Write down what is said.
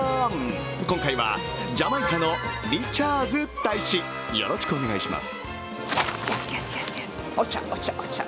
今回はジャマイカのリチャーズ大使、よろしくお願いします。